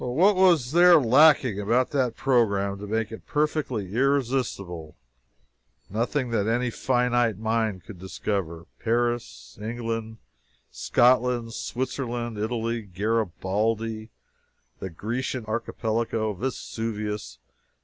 What was there lacking about that program to make it perfectly irresistible? Nothing that any finite mind could discover. Paris, England, Scotland, Switzerland, Italy Garibaldi! The Grecian Archipelago! Vesuvius!